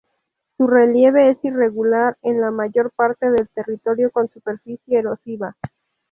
Su relieve es irregular, en la mayor parte del territorio con superficie erosiva.